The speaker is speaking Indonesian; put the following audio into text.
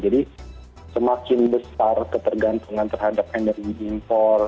jadi semakin besar ketergantungan terhadap energi impor